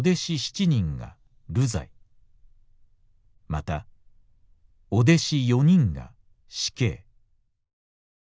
また御弟子四人が死刑」。